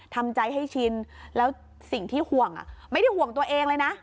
ทำใจให้ชินแล้วสิ่งที่ห่วงไม่ได้ห่วงตัวเองเลยนะ